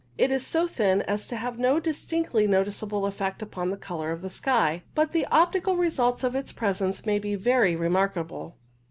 It is so thin as to have no distinctly noticeable effect upon the colour of the sky, but the optical results of its presence may be very remarkable.